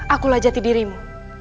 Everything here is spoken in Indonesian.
akulah jati dirimu